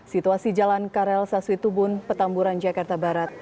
situasi jalan karel sasuit tubun petamburan jakarta barat